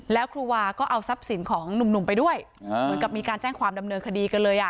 แล้วครูวาก็เอาทรัพย์สินของหนุ่มไปด้วยเหมือนกับมีการแจ้งความดำเนินคดีกันเลยอ่ะ